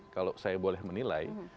kalau saya boleh menilai